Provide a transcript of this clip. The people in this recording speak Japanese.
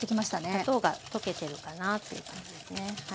砂糖が溶けてるかなという感じですね。